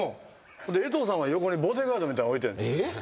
江藤さんは横にボディーガードみたいの置いてるんですよ。